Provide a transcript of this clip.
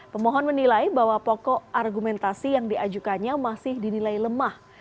pemohon menilai bahwa pokok argumentasi yang diajukannya masih dinilai lemah